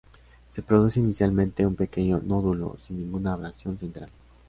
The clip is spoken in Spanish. Se produce inicialmente un pequeño nódulo, sin ninguna abrasión central.